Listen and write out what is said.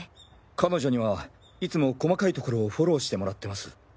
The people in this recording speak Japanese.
彼女にはいつも細かいところをフォローしてもらってます。